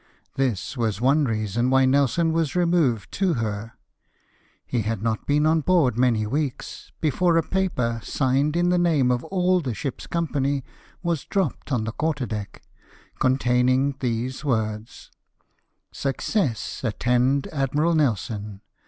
This was one reason why Nelson was re moved to her. He had not been on board many weeks before a paper, signed in the name of all the ship's company, was dropped on the quarter deck, containing these words :" Success attend Admiral Nelson